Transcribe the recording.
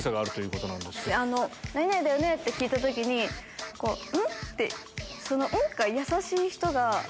何々だよね？って聞いた時にん？って。